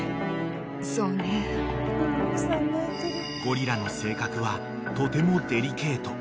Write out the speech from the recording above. ［ゴリラの性格はとてもデリケート］